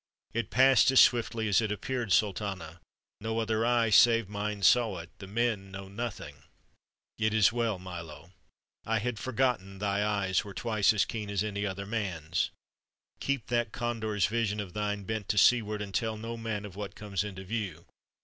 "It passed as swiftly as it appeared, Sultana. No other eye save mine saw it; the men know nothing " "It is well, Milo. I had forgotten thy eyes were twice as keen as any other man's. Keep that condor's vision of thine bent to seaward, and tell no man of what comes into view.